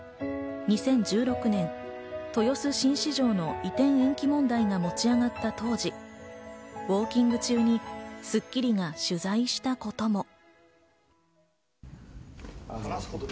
２０１６年、豊洲新市場の移転延期問題が持ち上がった当時、ウオーキング中に『スッキリ』が取材したことも。